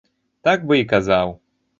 Так бы і казаў.